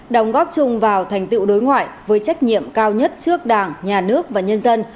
đồng góp chung vào thành tựu đối ngoại với trách nhiệm cao nhất trước đảng nhà nước và nhân dân